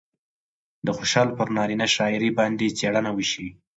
د خوشال پر نارينه شاعرۍ باندې څېړنه وشي